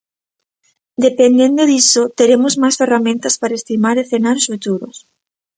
Dependendo diso, teremos máis ferramentas para estimar escenarios futuros.